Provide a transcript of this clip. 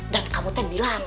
dan kamu ten bilang